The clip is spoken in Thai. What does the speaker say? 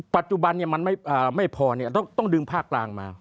ปัจจุบันมันไม่พอต้องดึงภาคกลางมา